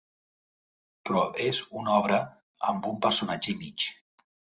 Però és una obra amb un personatge i mig.